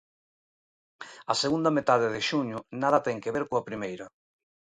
A segunda metade de xuño, nada ten que ver coa primeira.